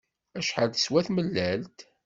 Acḥal teswa tmellalt?